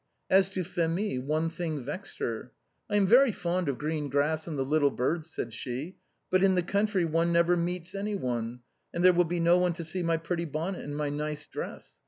As to Phémie, one thing vexed her. " I am very fond of the green grass and the little birds," said she ;" but in the country one never meets anyone, and there will be no one to see my pretty bonnet and my nice dress.